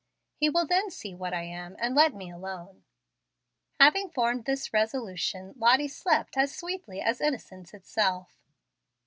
He will then see what I am, and let me alone." Having formed this resolution, Lottie slept as sweetly as innocence itself.